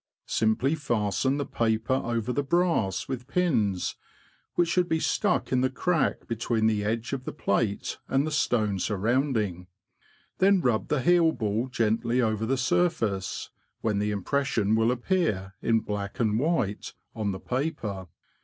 Simply fasten the paper over the brass, with pins, which should be stuck in the crack between the edge of the plate and the stone surrounding ; then rub the heel ball gently over the surface, when the impression will appear in black and white on the paper.